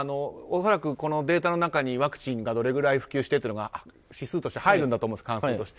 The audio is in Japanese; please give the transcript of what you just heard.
恐らくデータの中にワクチンがどれぐらい普及してというのが指数として入るんだと思います。